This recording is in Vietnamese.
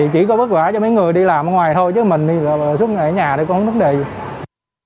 chỉ có bất vả cho mấy người đi làm ở ngoài thôi chứ mình đi ở nhà thì cũng không có vấn đề gì